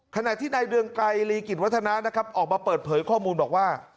ขณะที่ในเรืองไกรลีกิจวัฒนานะครับออกมาเปิดเผยข้อมูลบอกว่า